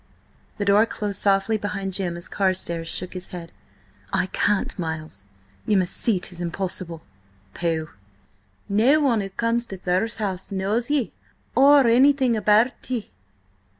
The door closed softly behind Jim as Carstares shook his head. "I can't, Miles. You must see 'tis impossible." "Pooh! No one who comes to Thurze House knows ye or anything about ye.